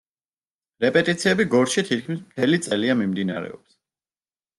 რეპეტიციები გორში თითქმის მთელი წელია მიმდინარეობს.